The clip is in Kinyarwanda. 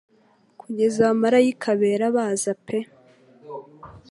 Kugeza abamarayika bera baza pe